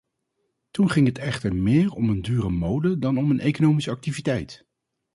Toen ging het echter meer om een dure mode dan om een economische activiteit.